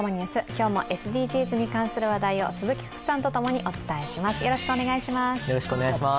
今日もＳＤＧｓに関する話題を鈴木福さんと共にお伝えします。